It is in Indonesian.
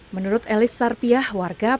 menurut elis sarpiah warga